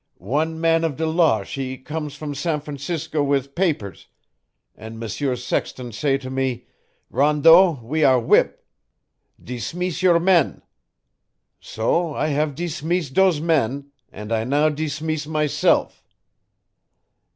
One man of the law she comes from San Francisco with papers, and M'sieur Sexton say to me: 'Rondeau, we are whip'. Deesmess your men.' So I have deesmess doze men, and now I deesmess myself.